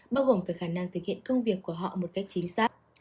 bao gồm cả khả năng thực hiện công việc của họ một cách chính xác